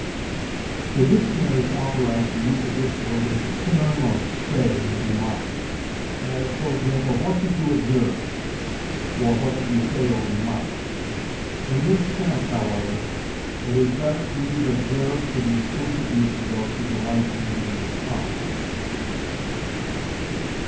The dictionaries authorize the use of this word as a synonym of say and remark; as, for example, "What did you observe?" for "What did you say, or remark?" In this sense, however, it is better to leave observe to the exclusive use of those who delight in being fine.